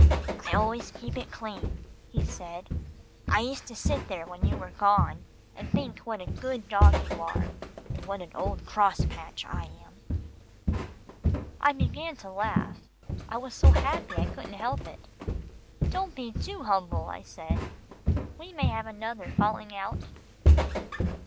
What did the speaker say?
"I always keep it clean," he said. "I used to sit there when you were gone and think what a good dog you are, and what an old crosspatch I am." I began to laugh. I was so happy I couldn't help it. "Don't be too humble," I said, "we may have another falling out."